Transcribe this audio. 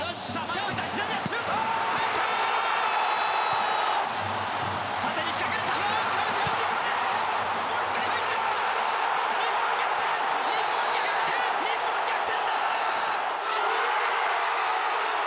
日本、逆転だ！